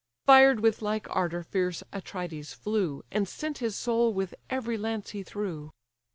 Fired with like ardour fierce Atrides flew, And sent his soul with every lance he threw.